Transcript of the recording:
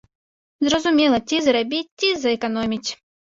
Зразумела, ці зарабіць, ці зэканоміць.